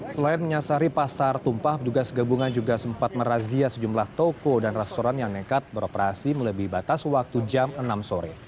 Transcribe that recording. selain menyasari pasar tumpah petugas gabungan juga sempat merazia sejumlah toko dan restoran yang nekat beroperasi melebihi batas waktu jam enam sore